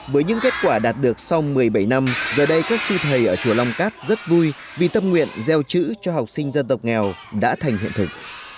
với những kết quả đạt được sau một mươi bảy năm giờ đây các sư thầy ở chùa long cát rất vui vì tâm nguyện gieo chữ cho học sinh dân tộc nghèo đã thành hiện thực